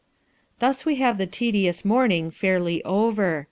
Thus we have the tedious morning fairly over.